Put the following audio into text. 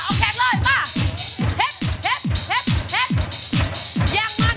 เอาแขกเลย